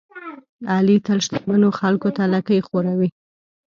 علي تل شتمنو خلکوته لکۍ خوروي.